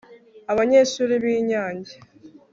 abanyeshuri b'i nyange